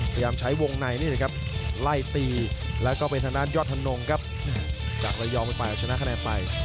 พยายามใช้วงในนี่แหละครับไล่ตีแล้วก็เป็นทางด้านยอดธนงครับจากระยองไปชนะคะแนนไป